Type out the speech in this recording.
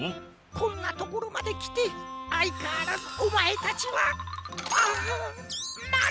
こんなところまできてあいかわらずおまえたちは。わあ！